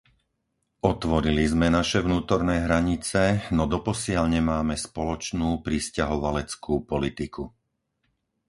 Otvorili sme naše vnútorné hranice, no doposiaľ nemáme spoločnú prisťahovaleckú politiku.